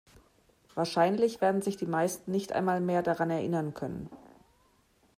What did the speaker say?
Wahrscheinlich werden sich die meisten nicht einmal mehr daran erinnern können.